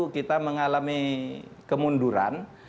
kita mengalami kemunduran